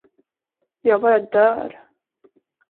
Jag bara dör.